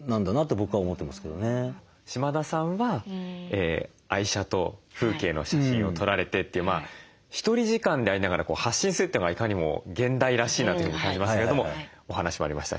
島田さんは愛車と風景の写真を撮られてってひとり時間でありながら発信するというのがいかにも現代らしいなというふうに感じますけれどもお話もありました